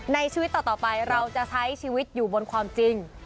ชีวิตต่อไปเราจะใช้ชีวิตอยู่บนความจริง